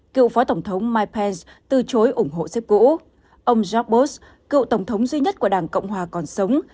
cựu phó tổng thống mike pence từ chối ủng hộ xếp cũ ông jorbot cựu tổng thống duy nhất của đảng cộng hòa còn sống